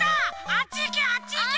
あっちいけあっちいけ！